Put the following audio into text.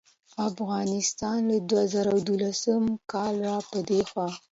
افغانستان له دوه زره دولسم کال راپه دې خوا